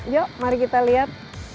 yuk mari kita lihat